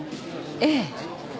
ええ。